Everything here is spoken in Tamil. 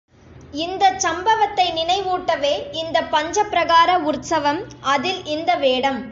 இந்தச் சம்பவத்தை நினைவூட்டவே இந்தப் பஞ்சப் பிரகார உற்சவம், அதில் இந்த வேடம்!